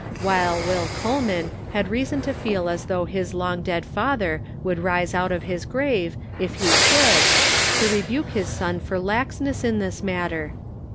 While Will Coleman had reason to feel as though his long dead father would rise out of his grave, if he could, to rebuke his son for laxness in this matter.